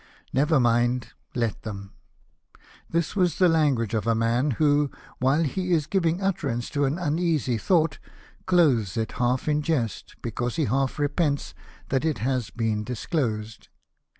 Never mind : let them !" This was the language of a man who, while he is giving utterance to an uneasy thought, clothes it half in jest because he half repents that it has been dis closed.